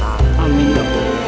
amin ya allah